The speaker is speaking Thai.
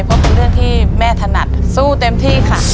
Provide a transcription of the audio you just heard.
ก็เป็นเรื่องที่แม่ถนัดสู้เต็มที่ค่ะ